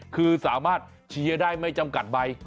คือสามารถเชียร์ได้ไม่จำกัดใบ